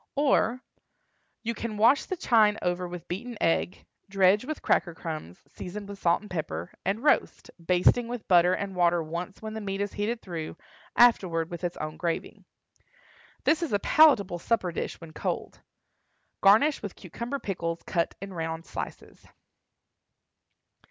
Or, You can wash the chine over with beaten egg, dredge with cracker crumbs, seasoned with salt and pepper, and roast, basting with butter and water once when the meat is heated through, afterward with its own gravy. This is a palatable supper dish when cold. Garnish with cucumber pickles cut in round slices.